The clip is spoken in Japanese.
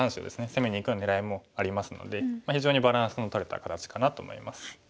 攻めにいくような狙いもありますので非常にバランスのとれた形かなと思います。